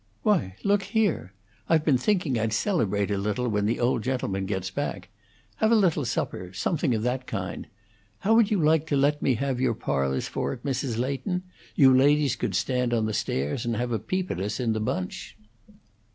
"Why, look here! I've been thinking I'd celebrate a little, when the old gentleman gets back. Have a little supper something of that kind. How would you like to let me have your parlors for it, Mrs. Leighton? You ladies could stand on the stairs, and have a peep at us, in the bunch."